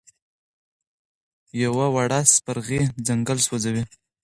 یوه وړه سپرغۍ ځنګل سوځوي.